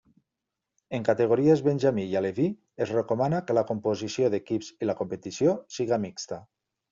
En categories benjamí i aleví es recomana que la composició d'equips i la competició siga mixta.